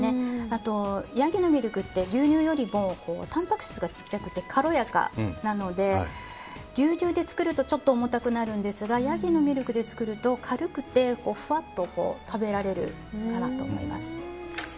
あと、ヤギのミルクって牛乳よりもタンパク質が小さくて軽やかなので、牛乳で作るとちょっと重たくなるんですがヤギのミルクで作ると軽くてふわっと食べられると思います。